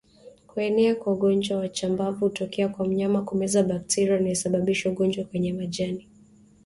Kuenea kwa ugonjwa wa chambavu hutokea kwa mnyama kumeza bakteria anayesababisha ugonjwa kwenye majani